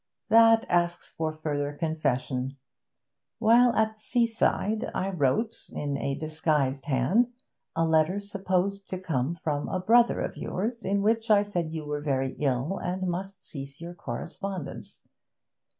'That asks for further confession. While at the seaside I wrote, in a disguised hand, a letter supposed to come from a brother of yours in which I said you were very ill and must cease your correspondence.